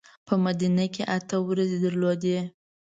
په مدینه کې اته ورځې درلودې.